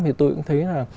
thì tôi cũng thấy là